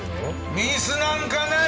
ミスなんかない！